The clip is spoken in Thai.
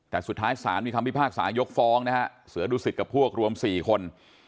แต่สุดท้ายศาลมีคำพิพากษายกฟ้องนะฮะเสือดุสิตกับพวกรวม๔คน